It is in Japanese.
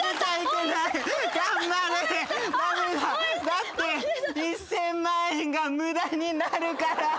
だって１，０００万円が無駄になるから。